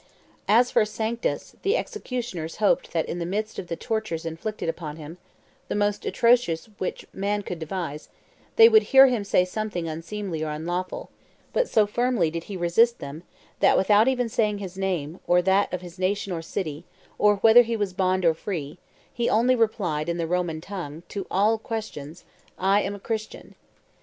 "As for Sanctus, the executioners hoped that in the midst of the tortures inflicted upon him the most atrocious which man could devise they would hear him say something unseemly or unlawful; but so firmly did he resist them, that, without even saying his name, or that of his nation or city, or whether he was bond or free, he only replied in the Roman tongue, to all questions, 'I am a Christian.